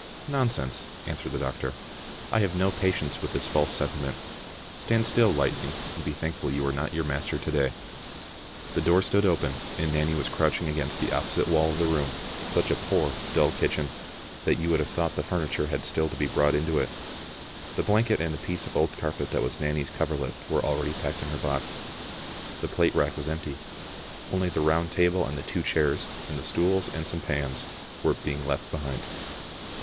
"Nonsense," answered the doctor. "I have no patience with this false sentiment. Stand still. Light ning, and be thankful you are not your master to day." Digitized by VjOOQ IC 119 Vbe Kittle Afnfater. The door stood open, and Nanny was crouching against the opposite wall of the room, such a poor, dull kitchen, that you would have thought the furniture had still to be brought into it. The blanket and the piece . of old carpet that was Nanny's coverlet were already packed in her box. The plate rack was empty. Only the round table and the two chairs, and the stools and some pans were being left behind.